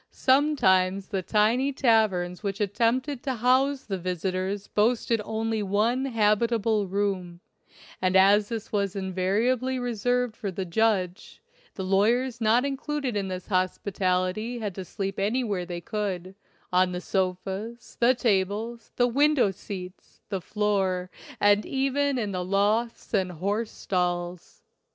Some times the tiny taverns which attempted to house the visitors boasted only one habitable room, and as this was invariably reserved for the judge, the lawyers not included in his hospitality had to sleep anywhere they could — on the sofas, the tables, the window seats, the floor, and even in the lofts and horse stalls.